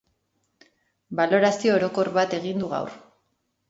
Balorazio orokor bat egin du gaur.